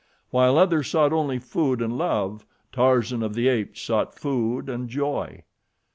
While others sought only food and love, Tarzan of the Apes sought food and joy.